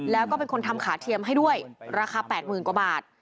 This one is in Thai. แล้วก็เป็นคนทำขาเทียมให้ด้วยราคา๘๐๐๐กว่าบาท